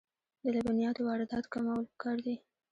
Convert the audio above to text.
د لبنیاتو واردات کمول پکار دي